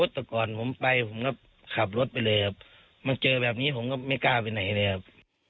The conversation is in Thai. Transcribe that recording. แต่ก่อนผมไปผมก็ขับรถไปเลยครับมาเจอแบบนี้ผมก็ไม่กล้าไปไหนเลยครับ